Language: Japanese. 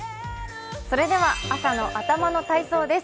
それでは朝の頭の体操です。